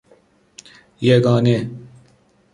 یگانه